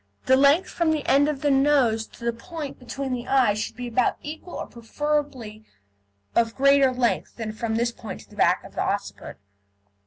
The length from the end of the nose to the point between the eyes should be about equal, or preferably of greater length than from this point to the back of the occiput.